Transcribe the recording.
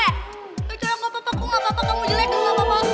eh coba bapak paku gak apa apa kamu jelek gak apa apa